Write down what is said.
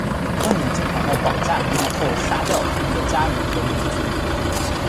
科尼经常在绑架他们后杀掉他们的家人和邻居。